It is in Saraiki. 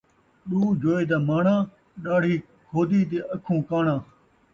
ݙو جوئے دا ماݨاں ، ݙاڑھی کھودی تے اکھوں کاݨاں